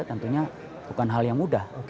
tentunya bukan hal yang mudah